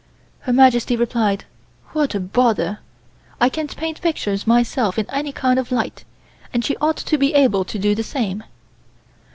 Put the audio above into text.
Her Majesty replied: "What a bother. I can paint pictures myself in any kind of light, and she ought to be able to do the same."